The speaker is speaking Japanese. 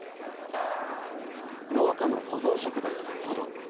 農家の保存食だったごど。